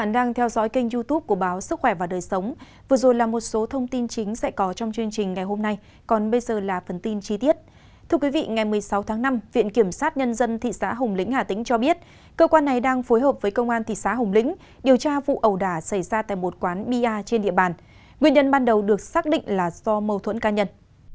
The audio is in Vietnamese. điều tra vụ ẩu đả xảy ra tại một quán bia trên địa bàn nguyên nhân ban đầu được xác định là do mâu thuẫn ca nhân